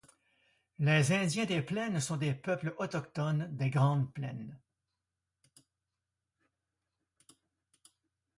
Les Indiens des Plaines sont des peuples autochtones des Grandes Plaines.